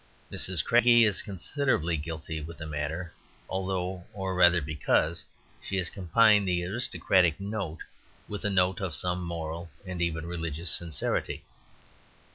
Mrs. Craigie is considerably guilty in the matter, although, or rather because, she has combined the aristocratic note with a note of some moral and even religious sincerity.